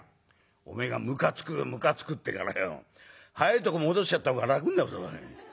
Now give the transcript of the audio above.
「おめえが『むかつくむかつく』ってえからよ早いとこもどしちゃったほうが楽になるぞおい」。